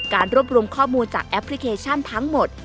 รวบรวมข้อมูลจากแอปพลิเคชันทั้งหมด